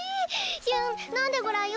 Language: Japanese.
ヒュン飲んでごらんよ。